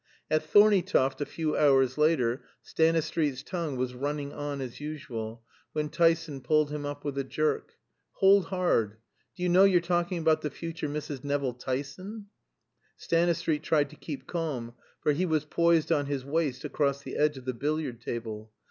At Thorneytoft a few hours later Stanistreet's tongue was running on as usual, when Tyson pulled him up with a jerk. "Hold hard. Do you know you're talking about the future Mrs. Nevill Tyson?" Stanistreet tried to keep calm, for he was poised on his waist across the edge of the billiard table.